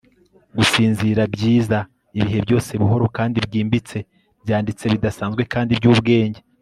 gusinzira, byiza, ibihe byose, buhoro kandi bwimbitse, byanditse bidasanzwe kandi byubwenge